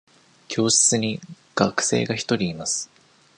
教室に学生が一人います。